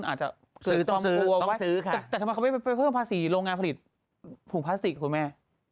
อาจจะซื้อต้องซื้อค่ะที่โรงงานผลิตขูมพลาสติกคุณแม่